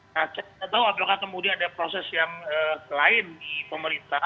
nah saya tidak tahu apakah kemudian ada proses yang lain di pemerintah